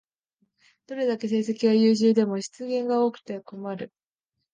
どれだけ成績が優秀でも失言が多くて困る